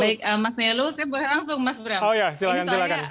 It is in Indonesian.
baik mas nelu saya boleh langsung mas bram